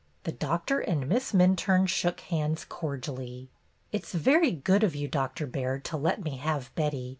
The Doctor and Miss Minturne shook hands cordially. "It 's very good of you. Doctor Baird, to let me have Betty.